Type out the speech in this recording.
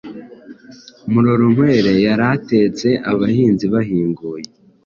Murorunkwere yaratetse, abahinzi bahinguye,